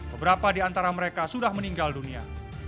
beberapa di antara mereka sudah meninggal dunia